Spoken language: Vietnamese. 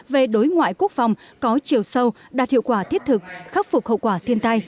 về đối ngoại quốc phòng có chiều sâu đạt hiệu quả thiết thực khắc phục hậu quả thiên tai